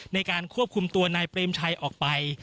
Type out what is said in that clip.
ในการควบคุมตัวนายเปรมชัยออกไป